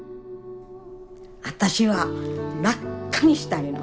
私は真っ赤にしたいの。